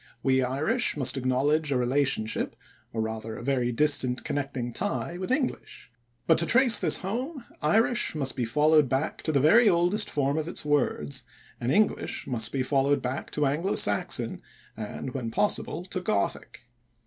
We Irish must acknowledge a relationship, or rather a very distant connecting tie, with English. But, to trace this home, Irish must be followed back to the very oldest form of its words, and English must be followed back to Anglo Saxon and when possible to Gothic.